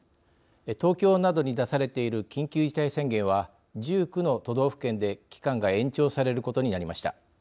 東京などに出されている緊急事態宣言は１９の都道府県で期間が延長されることになりました。